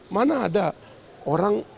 mana ada orang